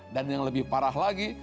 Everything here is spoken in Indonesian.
dan yang lebih parah lagi